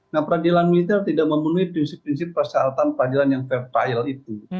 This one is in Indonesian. nah peradilan militer tidak memenuhi prinsip prinsip persyaratan peradilan yang fair trial itu